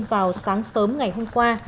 vào sáng sớm ngày hôm qua